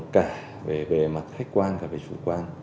cả về mặt khách quan cả về chủ quan